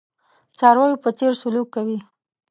څارویو په څېر سلوک کوي.